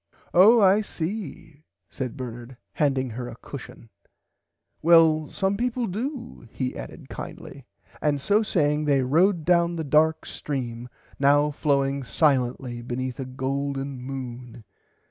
Oh I see said Bernard handing her a cushon well some people do he added kindly and so saying they rowed down the dark stream now flowing silently beneath a golden moon.